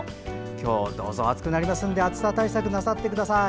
今日、どうぞ暑くなりますので暑さ対策なさってください。